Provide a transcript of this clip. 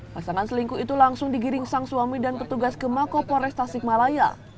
pasangan selingkuh itu langsung digiring sang suami dan petugas ke mako pores tasik malaya